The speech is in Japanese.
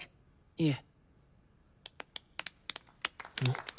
いえ。